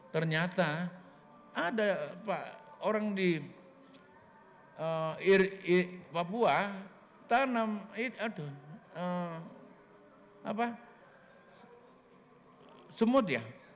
ternyata ada orang di papua tanam semut ya